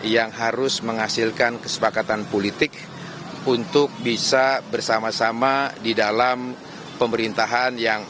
yang harus menghasilkan kesepakatan politik untuk bisa bersama sama di dalam pemerintahan yang